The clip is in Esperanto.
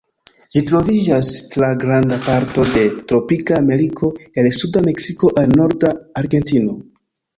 Ĝi troviĝas tra granda parto de tropika Ameriko, el suda Meksiko al norda Argentino.